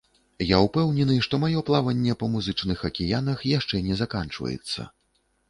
Я ўпэўнены, што маё плаванне па музычных акіянах яшчэ не заканчваецца.